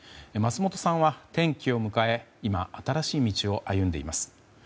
松本さんは転機を迎え今、新しい道を歩んでいます。